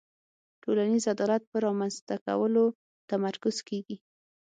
ټولنیز عدالت په رامنځته کولو تمرکز کیږي.